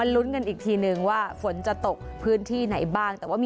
โดยการติดต่อไปก็จะเกิดขึ้นการติดต่อไป